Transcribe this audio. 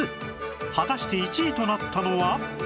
果たして１位となったのは？